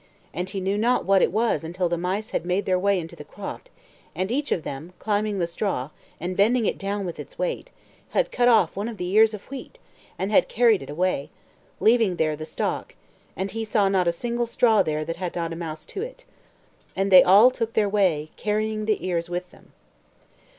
And he knew not what it was until the mice had made their way into the croft, and each of them, climbing up the straw, and bending it down with its weight, had cut off one of the ears of wheat, and had carried it away, leaving there the stalk; and he saw not a single straw there that had not a mouse to it. And they all took their way, carrying the ears with them.